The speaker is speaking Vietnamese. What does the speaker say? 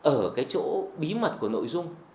ở cái chỗ bí mật của nội dung